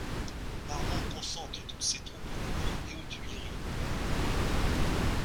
Marmont concentre toutes ses troupes au Louvre et aux Tuileries.